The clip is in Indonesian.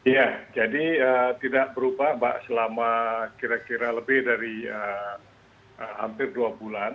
ya jadi tidak berubah mbak selama kira kira lebih dari hampir dua bulan